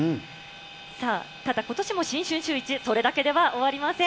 さあ、ただ、今年も新春シューイチ、それだけでは終わりません。